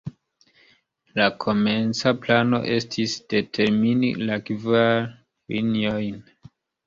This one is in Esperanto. La komenca plano estis determini la kvar liniojn.